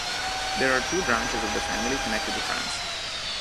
There are two branches of the family connected to France.